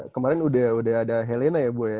kemarin udah ada helena ya bu ya